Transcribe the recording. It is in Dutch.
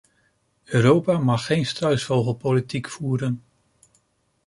Europa mag geen struisvogelpolitiek voeren.